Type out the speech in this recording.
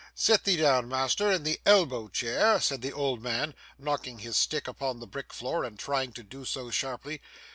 'Sit thee down, master, in the elbow chair,' said the old man, knocking his stick upon the brick floor, and trying to do so sharply.